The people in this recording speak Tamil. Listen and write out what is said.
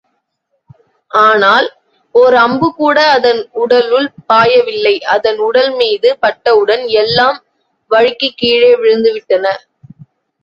ஆனால், ஓர் அம்புகூட அதன் உடலுள் பாயவில்லை அதன் உடல் மீது, பட்டவுடன் எல்லாம் வழுக்கிக் கீழே விழுந்துவிட்டன.